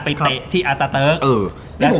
ไปเตะที่อาตาเติ้ล